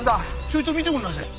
ちょいと見ておくんなせえ。